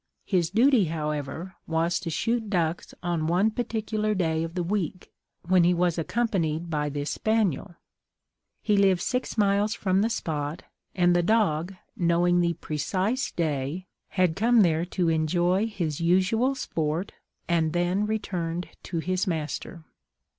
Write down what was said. His duty, however, was to shoot ducks on one particular day of the week, when he was accompanied by this spaniel; he lived six miles from the spot, and the dog, knowing the precise day, had come there to enjoy his usual sport, and then returned to his master.